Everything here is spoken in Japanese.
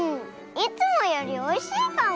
いつもよりおいしいかも！